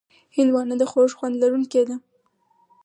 هندوانه د خوږ خوند لرونکې ده.